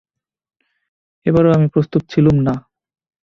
এবারেও আমি প্রস্তুত ছিলুম না।